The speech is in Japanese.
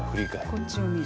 こっちを見る？